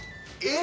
え？